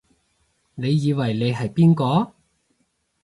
你以為你係邊個？